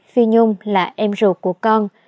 phi nhung là em ruột của con